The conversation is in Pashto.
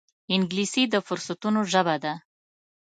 انګلیسي د فرصتونو ژبه ده